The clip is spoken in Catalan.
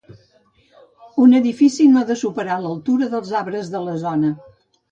Un edifici no ha de superar l'altura dels arbres de la zona